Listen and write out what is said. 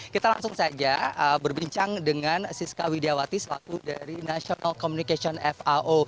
kita langsung saja berbincang dengan siska widiawati selaku dari national communication fao